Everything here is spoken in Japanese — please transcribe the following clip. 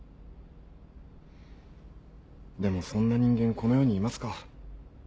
でもそんな人間この世にいますか？